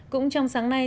cũng trong sáng nay